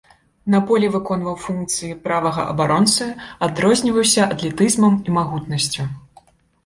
На поле выконваў функцыі правага абаронцы, адрозніваўся атлетызмам і магутнасцю.